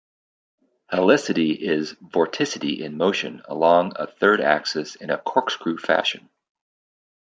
Helicity is vorticity in motion along a third axis in a corkscrew fashion.